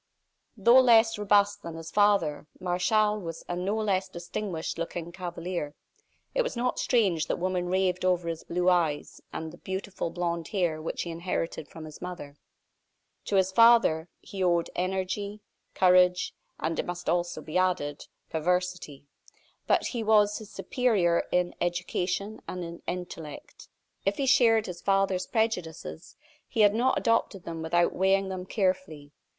Though less robust than his father, Martial was a no less distinguished looking cavalier. It was not strange that women raved over his blue eyes, and the beautiful blond hair which he inherited from his mother. To his father he owed energy, courage, and, it must also be added, perversity. But he was his superior in education and in intellect. If he shared his father's prejudices, he had not adopted them without weighing them carefully.